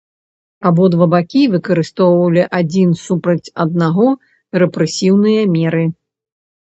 Абодва бакі выкарыстоўвалі адзін супраць аднаго рэпрэсіўныя меры.